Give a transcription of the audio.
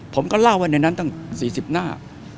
ผมก็เล่าว่าในนั้นตั้ง๔๐หน้า